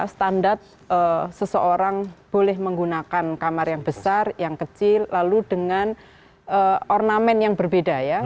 standar seseorang boleh menggunakan kamar yang besar yang kecil lalu dengan ornamen yang berbeda ya